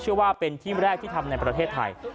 เชื่อว่าเป็นที่แรกที่ทำในประเทศไทย